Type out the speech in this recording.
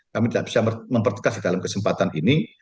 kami tidak bisa mempertegas dalam kesempatan ini